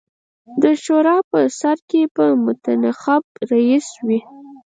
د شورا په سر کې به منتخب رییس وي.